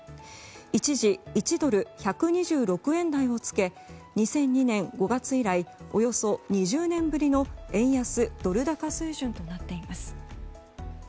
一時１ドル＝１２６円台をつけ２００２年５月以来およそ２０年ぶりの円安ドル高水準となっています。